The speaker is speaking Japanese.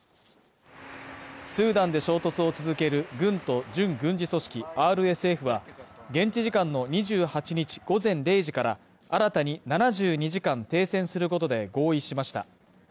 スーダンで衝突を続ける軍と準軍事組織ＲＳＦは現地時間の２８日午前０時から、新たに７２時間停戦することで合意しました。